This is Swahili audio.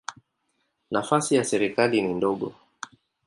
Nafasi ya serikali ni ndogo.